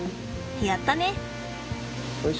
やったね！